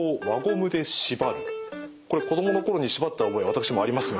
これ子供の頃にしばった覚え私もありますが。